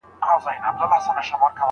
نړیوال قوانین د عدالت او انصاف لار هواروي.